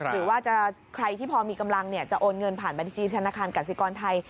หรือว่าใครที่พอมีกำลังจะโอนเงินผ่านบัญชีธนาคารกสิกรไทย